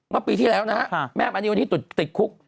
เมื่อปีที่แล้วนะฮะแม่มณีวันนี้ติดคุก